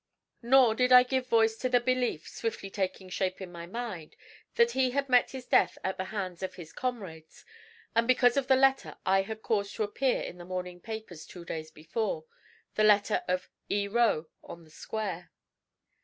Nor did I give voice to the belief, swiftly taking shape in my mind, that he had met his death at the hands of his comrades, and because of the letter I had caused to appear in the morning papers two days before the letter of 'E. Roe, On the Square.'